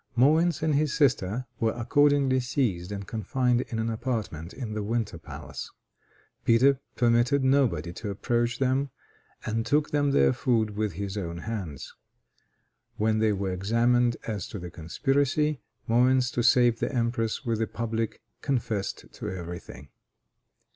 Moens and his sister were accordingly seized and confined in an apartment in the winter palace. Peter permitted nobody to approach them, and took them their food with his own hands. When they were examined as to the conspiracy, Moens, to save the empress with the public, confessed to every thing.